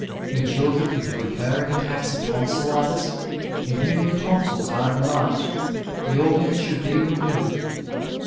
In children with recurring attacks of tonsillitis, in whom the tonsils are enlarged, the organs should be removed.